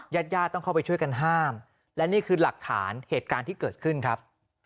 ญาติญาติต้องเข้าไปช่วยกันห้ามและนี่คือหลักฐานเหตุการณ์ที่เกิดขึ้นครับ